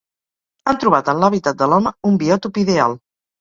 Han trobat en l'hàbitat de l'home un biòtop ideal.